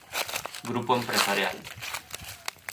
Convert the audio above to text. Grupo Empresarial.